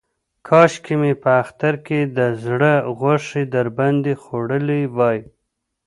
کاشکې مې په اختر کې د زړه غوښې در باندې خوړلې وای.